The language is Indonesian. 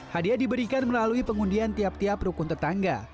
hadiah diberikan melalui pengundian tiap tiap rukun tetangga